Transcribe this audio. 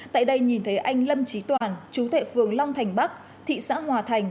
tại đây nhìn thấy anh lâm trí toàn chú thệ phường long thành bắc thị xã hòa thành